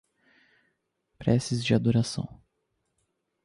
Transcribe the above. Preces de adoração